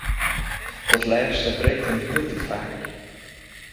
Dat lêste wreekt him hieltyd faker.